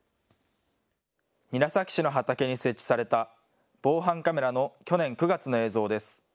韮崎市の畑に設置された防犯カメラの去年９月の映像です。